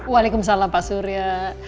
waalaikumsalam pak surya